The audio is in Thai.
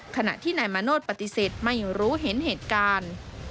ขณะที่นายมาโนธปฏิเสธไม่รู้เห็นเหตุการณ์